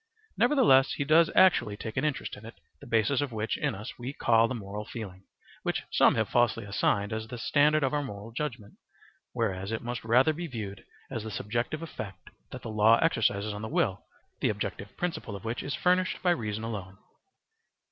Nevertheless he does actually take an interest in it, the basis of which in us we call the moral feeling, which some have falsely assigned as the standard of our moral judgement, whereas it must rather be viewed as the subjective effect that the law exercises on the will, the objective principle of which is furnished by reason alone.